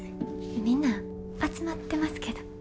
みんな集まってますけど。